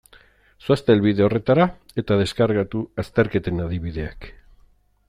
Zoazte helbide horretara eta deskargatu azterketen adibideak.